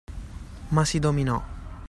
Ma si dominò.